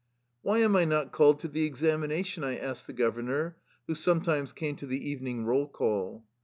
"Why am I not called to the examination?" I asked the governor, who sometimes came to the evening roll call.